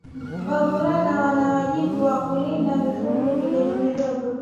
Wavulana wana wajibu wa kulinda mifugo midogo midogo